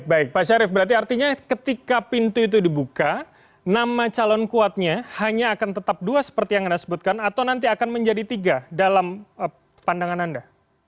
baik pak syarif berarti artinya ketika pintu itu dibuka nama calon kuatnya hanya akan tetap dua seperti yang anda sebutkan atau nanti akan menjadi tiga dalam pandangan anda